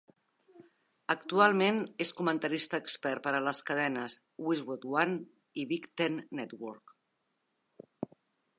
Actualment és comentarista expert per a les cadenes Westwood One i Big Ten Network.